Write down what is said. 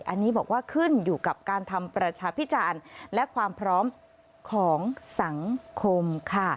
อันนี้บอกว่าขึ้นอยู่กับการทำประชาพิจารณ์และความพร้อมของสังคมค่ะ